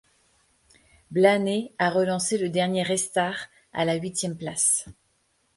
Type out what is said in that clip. Blaney a relancé le dernier restart à la huitième place.